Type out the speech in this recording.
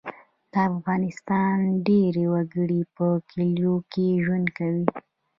د افغانستان ډیری وګړي په کلیو کې ژوند کوي